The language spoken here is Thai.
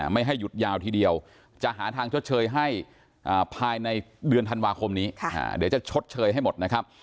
ไม่ให้หยุดยาวทีเดียวจะหาทางชดเชยให้ภายในเดือนธันวาคมนี้เดี๋ยวจะชดเชยให้หมดนะครับ